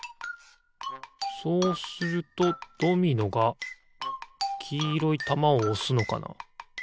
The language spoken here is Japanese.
そうするとドミノがきいろいたまをおすのかな？